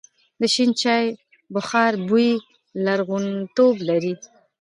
د شین چای بخار بوی لرغونتوب لري.